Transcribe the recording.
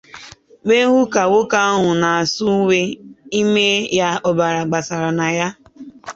wee hụ ka nwoke ahụ na-asụ uwe ime ya ọbara gbasara na ya